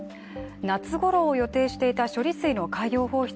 夏ごろを予定していた、処理水の海洋放出。